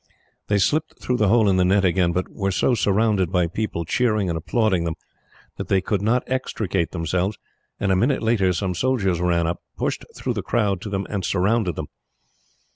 They slipped through the hole in the net again, but were so surrounded by people, cheering and applauding them, that they could not extricate themselves; and a minute later some soldiers ran up, pushed through the crowd to them, and surrounded them.